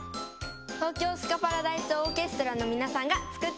東京スカパラダイスオーケストラのみなさんがつくってくれたんです。